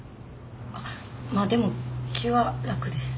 まあでも気は楽です。